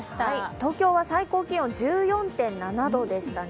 東京は最高気温１４．７度でしたね。